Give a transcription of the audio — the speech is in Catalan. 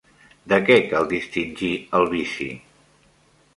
De què cal distingir el vici?